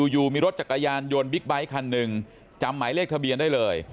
อยู่มีรถจักรยานยนต์บิ๊กไบท์คันหนึ่งจำหมายเลขทะเบียนได้เลย